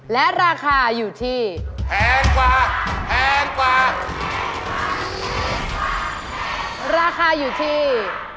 และราคาอยู่ที่